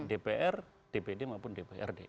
dpr dpd maupun dprd